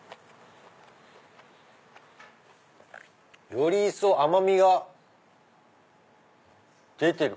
より一層甘みが出てる。